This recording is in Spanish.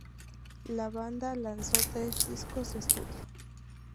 La banda lanzó tres discos de estudio.